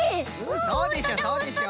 そうでしょそうでしょ。